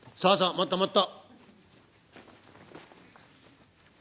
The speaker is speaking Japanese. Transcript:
もっともっと！」。